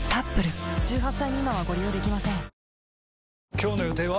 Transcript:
今日の予定は？